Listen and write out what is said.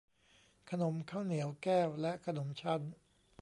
ขนมข้าวเหนียวแก้ว และขนมชั้น